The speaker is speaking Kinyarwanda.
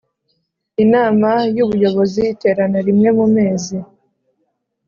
Inama y ubuyobozi iterana rimwe mu mezi